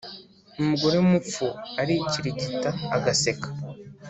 Umugore w’umupfu arikirigita agaseka.